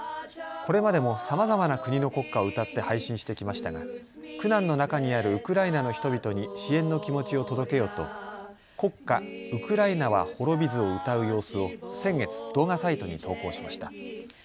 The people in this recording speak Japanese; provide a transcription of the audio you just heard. これまでもさまざまな国の国歌を歌って配信してきましたが苦難の中にあるウクライナの人々に支援の気持ちを届けようと国歌、ウクライナは滅びずを歌う様子を先月、動画サイトに投稿しました。